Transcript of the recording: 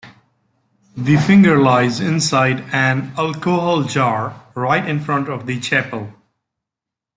The finger lies inside an alcohol jar right in front of the chapel.